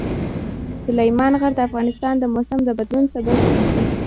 سلیمان غر د افغانستان د موسم د بدلون سبب کېږي.